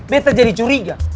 gak ada pencuriga